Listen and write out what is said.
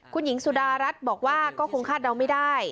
คุณหญิงสุดารัฐบอกว่าก็คงคาดเดาไม่ได้